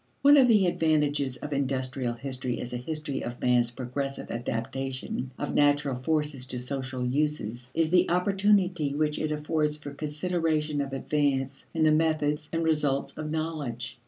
One of the advantages of industrial history as a history of man's progressive adaptation of natural forces to social uses is the opportunity which it affords for consideration of advance in the methods and results of knowledge.